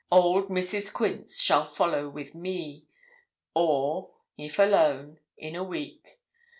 Old Mrs. Quince shall follow with me, or, if alone, in a week.